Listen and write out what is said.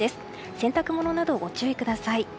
洗濯物などご注意ください。